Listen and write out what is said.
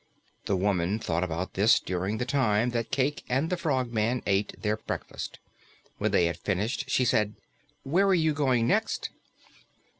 The woman thought about this during the time that Cayke and the Frogman ate their breakfast. When they had finished, she said, "Where are you going next?"